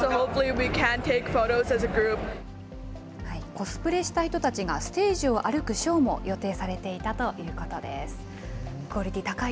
コスプレした人たちが、ステージを歩くショーも予定されていたということです。